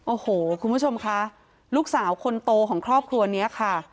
โอ้โหคุณผู้ชมคะลูกสาวคนโตของครอบครัวนี้ค่ะ